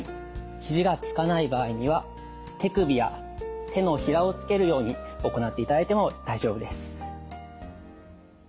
肘がつかない場合には手首や手のひらをつけるように行っていただいても大丈夫です。